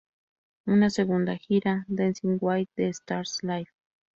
Una segunda gira, "Dancing with the Stars Live!